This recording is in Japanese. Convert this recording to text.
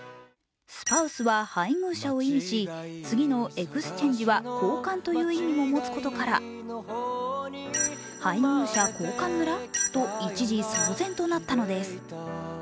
スパウスは配偶者を意味し次の「Ｅｘｃｈａｎｇｅ」は交換という意味を持つことから配偶者交換村と一時、騒然となったのです。